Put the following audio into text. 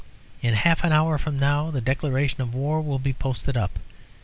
In half an hour from now the declaration of war will be posted up.